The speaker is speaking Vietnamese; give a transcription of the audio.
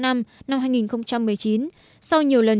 năm hai nghìn một mươi chín sau nhiều lần